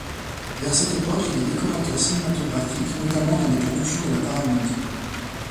Vers cette époque, il est décorateur cinématographique, notamment dans des productions de la Paramount.